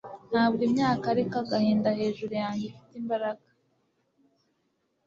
Ntabwo imyaka ariko agahinda hejuru yanjye ifite imbaraga